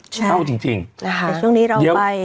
เช่าจริงแต่ช่วงนี้เราไป